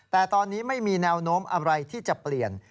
แต่ตอนนี้ไม่มีแนวโน้มอะไรที่จะเปลี่ยน